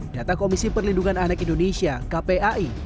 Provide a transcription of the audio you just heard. data komisi perlindungan anak indonesia kpai